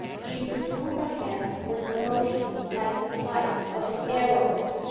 She withdrew her hand with a motion like the flight of an arrow.